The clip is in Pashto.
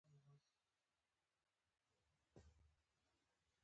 ورسته چې مې د ډولچي مظلومیت وریاداوه.